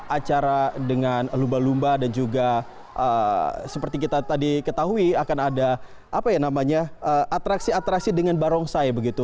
acara dengan lumba lumba dan juga seperti kita tadi ketahui akan ada atraksi atraksi dengan barongsai begitu